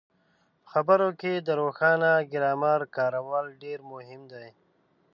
په خبرو کې د روښانه ګرامر کارول ډېر مهم دي.